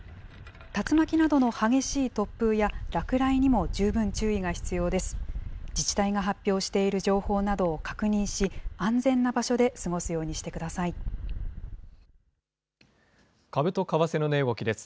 竜巻などの激しい突風や、落雷にも十分注意が必要です。